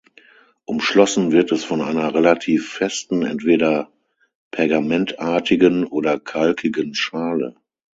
Umschlossen wird es von einer relativ festen, entweder pergamentartigen oder kalkigen Schale.